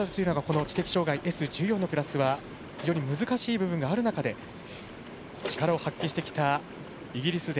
知的障がいＳ１４のクラスは非常に難しい部分がある中で力を発揮してきたイギリス勢。